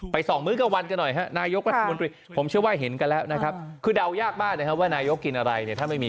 ไปส่องมื้อกลัววันกันหน่อยครับนายกวัฒนบนตรี